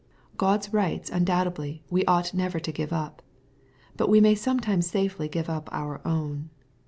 God's rights undoubtedly we ought never to give up ; but we may sometimes safely give up our own.